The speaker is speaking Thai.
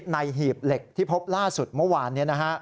หีบเหล็กที่พบล่าสุดเมื่อวานนี้